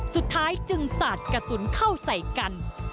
สุดท้ายจึงสาดกระสุนเข้าใส่กัน